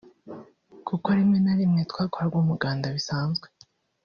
kuko rimwe na rimwe twakoraga umuganda bisanzwe